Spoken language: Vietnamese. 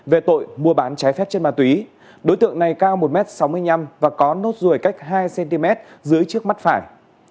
về tội mua bán trái phép chất ma túy đối tượng này cao một m sáu mươi năm và có nốt ruồi cách hai cm dưới trước mắt phải